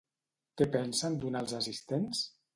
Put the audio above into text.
Què pensen donar als assistents?